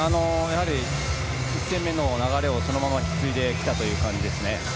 やはり１戦目の流れをそのまま引き継いできた感じです。